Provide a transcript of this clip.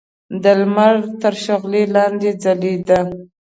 د لمر تر شغلو لاندې ځلېده.